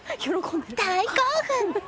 大興奮！